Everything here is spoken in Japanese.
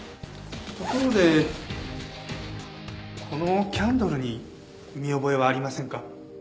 ところでこのキャンドルに見覚えはありませんか？